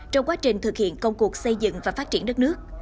trong quá trình thực hiện công cuộc xây dựng và phát triển đất nước